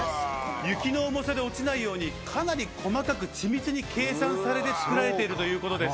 雪の重さで落ちないようにかなり細かく緻密に計算されて作られているということです。